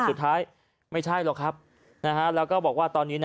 สุดท้ายไม่ใช่หรอกครับแล้วก็บอกว่าตอนนี้นะ